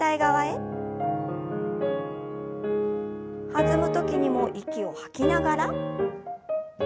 弾む時にも息を吐きながら。